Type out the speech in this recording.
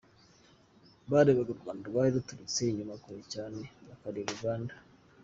Barebaga U Rwanda rwari ruturutse inyuma kure cyane, bakanareba Uganda.